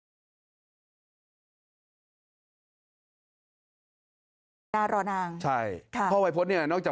มีนักร้องลูกทุ่งดังมากมายเนี่ยผ่านการปลูกปั้นมาจากพ่อวัยพจน์เพชรสุพรณนะฮะ